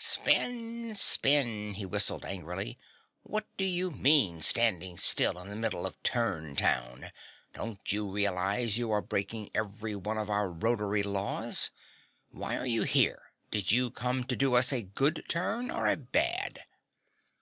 "Spin! Spin!" he whistled angrily. "What do you mean standing still in the middle of Turn Town? Don't you realize you are breaking every one of our rotary laws? Why are you here did you come to do us a good turn or a bad?"